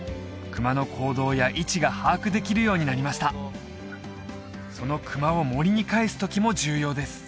熊の行動や位置が把握できるようになりましたその熊を森に返す時も重要です